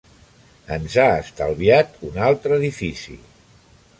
Ens ha estalviat un altre edifici.